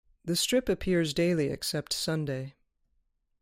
The strip appears daily except Sunday.